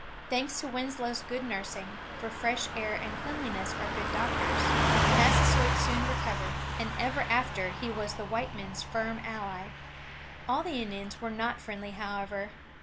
Thanks to Winslow's good nursing, for fresh air and cleanliness are good doctors, Massasoit soon recovered, and ever after he was the white men's firm ally. All the Indians were not friendly, however.